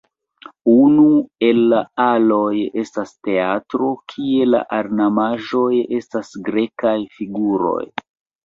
Unu el la aloj estas teatro, kie la ornamaĵoj estas grekaj figuroj.